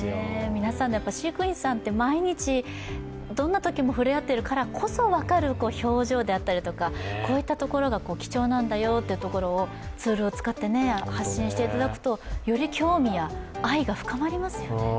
皆さん、飼育員さんって毎日どんなときも触れ合っているからこそ分かる表情であったりとかこういったところが貴重なんだよということをツールを使って発信していただくと、より興味や愛が深まりますよね。